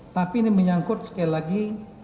tapi ini menyangkut sekali lagi